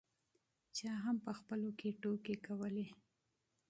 چا هم په خپلو کې ټوکې کولې.